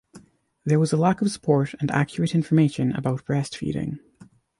There was a lack of support and accurate information about breastfeeding.